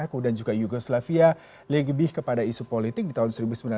kemudian juga yugoslavia lebih kepada isu politik di tahun seribu sembilan ratus sembilan puluh